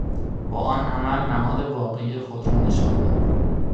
با آن عمل نهاد واقعی خود را نشان داد.